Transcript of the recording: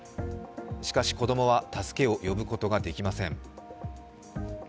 しかし子供は助けを呼ぶことができません。